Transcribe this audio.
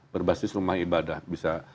berbasis rumah ibadah bisa